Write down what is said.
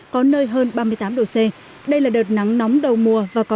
có nơi hơn ba mươi tám độ c